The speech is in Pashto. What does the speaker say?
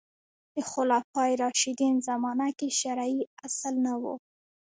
د خلفای راشدین زمانه کې شرعي اصل نه و